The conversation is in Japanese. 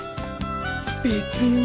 別に。